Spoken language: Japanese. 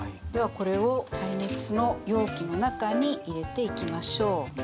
ではこれを耐熱の容器の中に入れていきましょう。